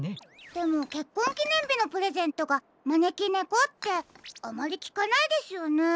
でもけっこんきねんびのプレゼントがまねきねこってあまりきかないですよね。